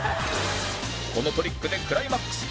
このトリックでクライマックス！